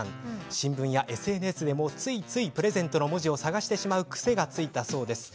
新聞やＳＮＳでもついついプレゼントの文字を探してしまう癖がついたそうです。